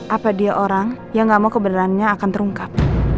apa dia orang yang gak mau kebenarannya akan terungkap